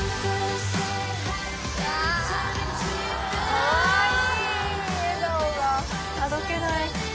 ・かわいい笑顔が・・あどけない・